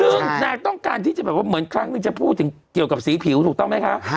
ซึ่งนางต้องการที่จะแบบว่าเหมือนครั้งหนึ่งจะพูดถึงเกี่ยวกับสีผิวถูกต้องไหมคะ